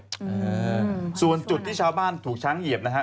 อืมส่วนจุดที่ชาวบ้านถูกช้างเหยียบนะฮะ